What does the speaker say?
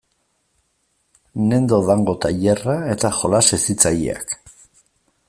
Nendo Dango tailerra eta jolas hezitzaileak.